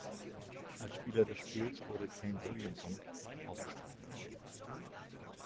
Als Spieler des Spiels wurde Kane Williamson ausgezeichnet.